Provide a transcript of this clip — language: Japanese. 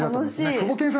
クボケンさん